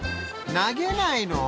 投げないの？